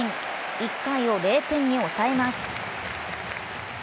１回を０点に抑えます。